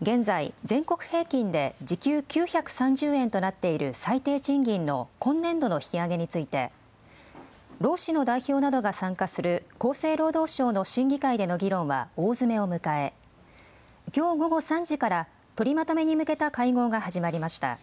現在、全国平均で時給９３０円となっている最低賃金の今年度の引き上げについて労使の代表などが参加する厚生労働省の審議会での議論は大詰めを迎えきょう午後３時から取りまとめに向けた会合が始まりました。